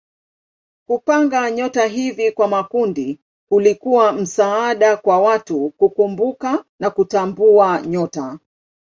Kupanga nyota hivi kwa makundi kulikuwa msaada kwa watu kukumbuka na kutambua nyota.